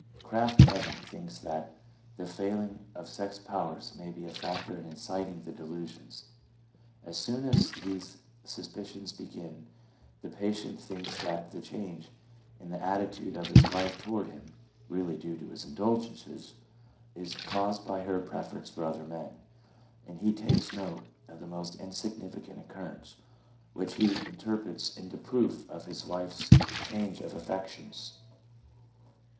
1 Krafft Ebing thinks that the fail ing of sexual powers may be a factor in inciting the delusions. As soon as these suspicions begin the patient thinks that the change in the attitude of his wife toward him (really due to his indulgences) is caused by her preference for other men ; and he takes note of the most insignificant occurrence, which he interprets into proof of his wife's change of affections.